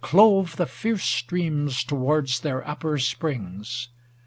Clove the fierce streams towards their up per springs.